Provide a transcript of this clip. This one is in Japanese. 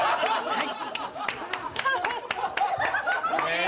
はい。